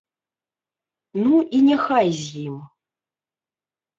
Ну, і няхай з ім.